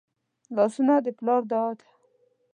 لاسونه د پلار دعا ده